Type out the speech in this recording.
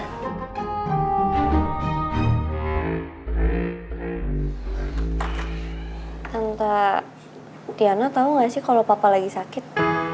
tentang tante diana tau gak sih kalau papa lagi sakit